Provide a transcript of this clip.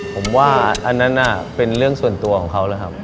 ผมว่าอันนั้นเป็นเรื่องส่วนตัวของเขาแล้วครับ